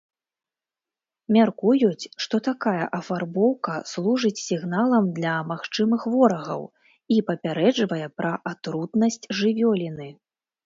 Мяркуюць, што такая афарбоўка служыць сігналам для магчымых ворагаў і папярэджвае пра атрутнасць жывёліны.